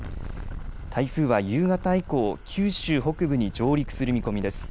台風は夕方以降、九州北部に上陸する見込みです。